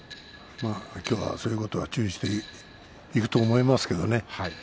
きょうはそういうことは注意していくと思いますけどね。